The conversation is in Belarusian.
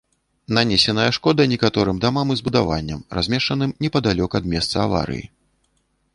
Нанесеная шкода некаторым дамам і збудаванням, размешчаным непадалёк ад месца аварыі.